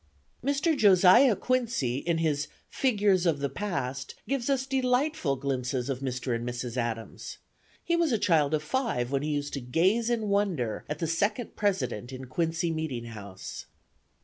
Mr. Josiah Quincy, in his "Figures of the Past," gives us delightful glimpses of Mr. and Mrs. Adams. He was a child of five when he used to gaze in wonder at the second President in Quincy meeting house.